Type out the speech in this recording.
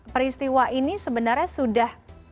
peristiwa ini sebenarnya sudah